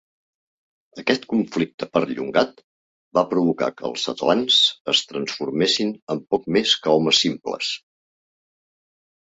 Aquest conflicte perllongat va provocar que els atlants es transformessin en poc més que homes simples.